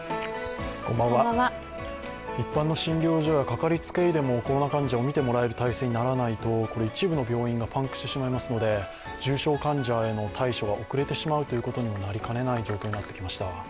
一般の診療所やかかりつけ医でもコロナ患者を診てもらえる体制にならないとこれ一部の病院がパンクしてしまいますので重症患者への対処が遅れてしまうことにもなりかねない状況になってきました。